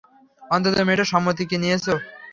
অন্তত মেয়েটার সম্মতি কি নিয়েছ?